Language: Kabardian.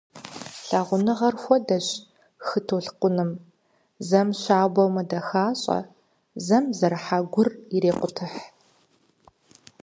Лъагъуныгъэр хуэдэщ хы толъкъуным, зэм щабэу мэдэхащӏэ, зэм зэрыхьа гур ирекъутыхь.